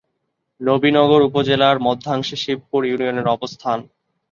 নবীনগর উপজেলার মধ্যাংশে শিবপুর ইউনিয়নের অবস্থান।